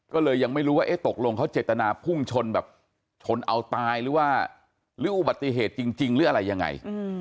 ก็เลยยังไม่รู้ว่าเอ๊ะตกลงเขาเจตนาพุ่งชนแบบชนเอาตายหรือว่าหรืออุบัติเหตุจริงหรืออะไรยังไง